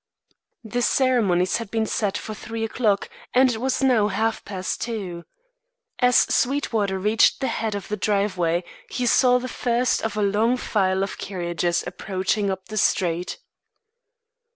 The ceremonies had been set for three o'clock, and it was now half past two. As Sweetwater reached the head of the driveway, he saw the first of a long file of carriages approaching up the street.